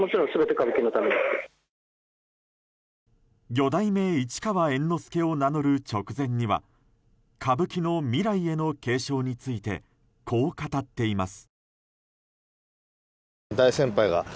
四代目市川猿之助を名乗る直前には歌舞伎の未来への継承についてこう語っています。